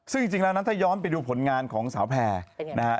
ซึ่งจริงแล้วนั้นถ้าย้อนไปดูผลงานของสาวแพรนะฮะ